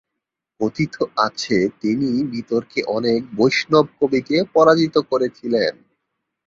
কথিত আছে তিনি বিতর্কে অনেক বৈষ্ণব কবিকে পরাজিত করেছিলেন।